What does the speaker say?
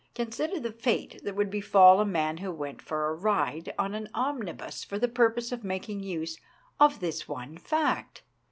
Consider the fate that would befall a man who went for a ride on an omnibus for the purpose of making use of this one fact.